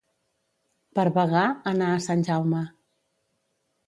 Per vagar, anar a Sant Jaume.